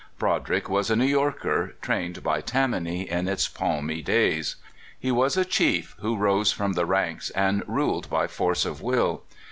Broderick was a New Yorker, trained by Tammany in its palmy days. He was a chief, who rose from the ranks, and ruled by force of will.